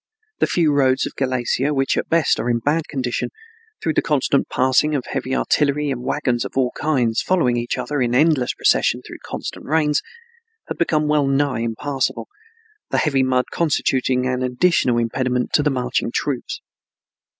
The few roads of Galicia, which at best are in bad condition, through the constant passing of heavy artillery and wagons of all kinds following each other in endless procession through constant rains, had become well nigh impassable, the heavy mud constituting an additional impediment to the marching of troops.